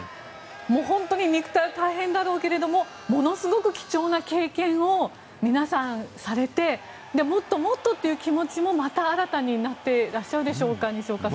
肉体が大変だろうけどものすごく貴重な経験を皆さん、されてもっともっとという気持ちもまた新たになってらっしゃるでしょうか。